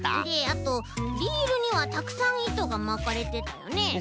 であとリールにはたくさんいとがまかれてたよね。